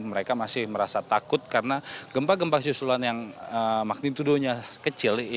mereka masih merasa takut karena gempa gempa susulan yang magnitudonya kecil